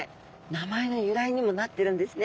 名前の由来にもなってるんですね！